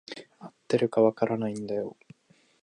合ってるか分からないんだよ。